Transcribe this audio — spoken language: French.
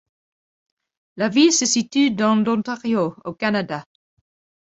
La ville se situe dans l'Ontario au Canada.